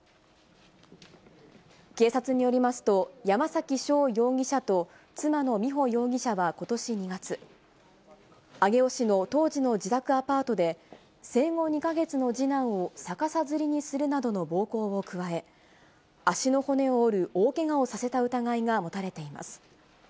警察によりますと、山崎翔容疑者と妻の美穂容疑者はことし２月、上尾市の当時の自宅アパートで、生後２か月の次男を逆さづりにするなどの暴行を加え、足の骨を折る大けがをさせた疑いが持たれています。